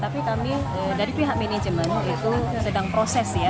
tapi kami dari pihak manajemen itu sedang proses ya